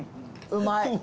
うまい。